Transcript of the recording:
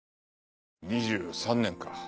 ２３年か。